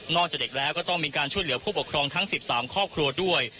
จากเด็กแล้วก็ต้องมีการช่วยเหลือผู้ปกครองทั้ง๑๓ครอบครัวด้วย